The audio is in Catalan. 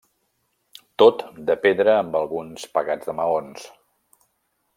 Tot de pedra amb alguns pegats de maons.